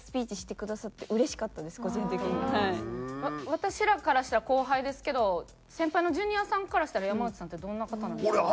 私らからしたら後輩ですけど先輩のジュニアさんからしたら山内さんってどんな方なんですか？